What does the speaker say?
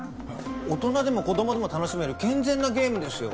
大人でも子供でも楽しめる健全なゲームですよ